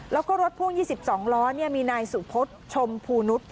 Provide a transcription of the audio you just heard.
แล้วก็รถพ่วง๒๒ล้อมีนายสุพศชมพูนุษย์